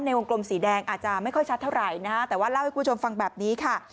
วงกลมสีแดงอาจจะไม่ค่อยชัดเท่าไหร่นะฮะแต่ว่าเล่าให้คุณผู้ชมฟังแบบนี้ค่ะ